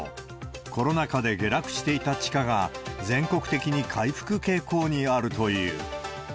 コロナ禍で下落していた地価が、全国的に回復傾向にあるという。